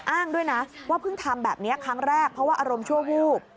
อ้างด้วยนะว่าเพิ่งทำแบบนี้ครั้งแรกเพราะว่าอารมณ์ชั่ววูบ